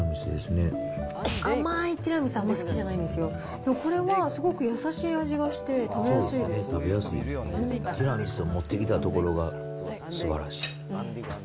甘いティラミス、あんまり好きじゃないんですよ、でもこれは、すごく優しい味がし食べやすいですね、ティラミスを持ってきたところが、すばらしい。